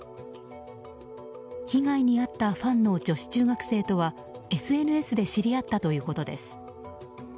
被害に遭ったファンの女子中学生とはＳＮＳで知り合ったということです。